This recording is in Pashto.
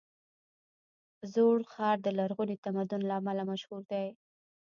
زوړ ښار د لرغوني تمدن له امله مشهور دی.